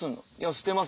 「捨てます」。